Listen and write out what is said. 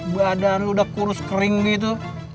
badan udah kurus kering gitu